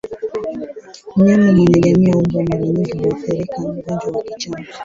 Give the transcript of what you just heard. Mnyama mwenye jamii ya mbwa mara nyingi huathirika na ugonjwa wa kichaa#